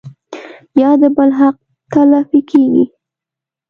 يا د بل حق تلفي کيږي